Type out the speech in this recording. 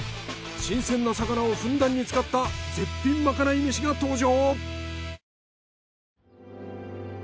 新鮮な魚をふんだんに使った絶品まかないメシが登場！